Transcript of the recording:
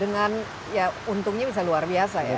menjualnya dengan untungnya bisa luar biasa ya